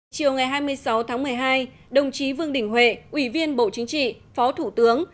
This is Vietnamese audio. chiều ngày hai mươi sáu tháng một mươi hai đồng chí vương đình huệ ủy viên bộ chính trị phó thủ tướng